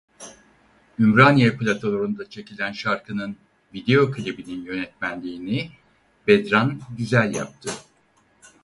Ümraniye platolarında çekilen şarkının video klibinin yönetmenliğini Bedran Güzel yaptı.